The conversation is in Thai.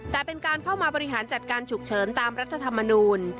แต่เป็นการเข้ามาบริหารจัดการฉุกเฉินตามรัฐธรรมนูล